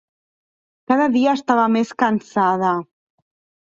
Cada dia estava més cansada